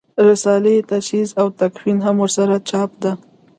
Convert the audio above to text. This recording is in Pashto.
رساله تجهیز او تکفین هم ورسره چاپ ده.